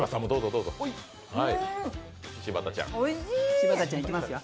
柴田ちゃんいきますよ。